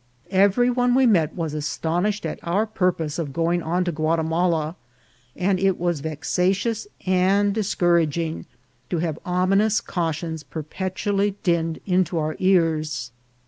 Every one we met was astonish ed at our purpose of going on to Guatimala, and it was vexatious and discouraging to have ominous cautions perpetually dinned into our ears.